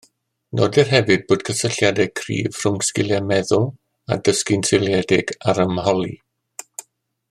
Nodir hefyd bod cysylltiadau cryf rhwng sgiliau meddwl a dysgu'n seiliedig ar ymholi